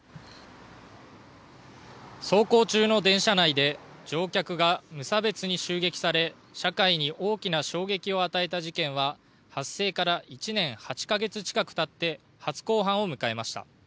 走行中の電車内で乗客が無差別に襲撃され社会に大きな衝撃を与えた事件は発生から１年８か月ちかく経って初公判を迎えました。